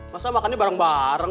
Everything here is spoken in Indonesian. masa makannya bareng bareng